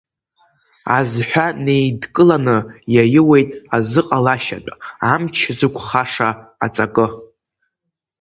Азҳәа неидкыланы иаиуеит азыҟалашьатә, амч зықәхаша аҵакы…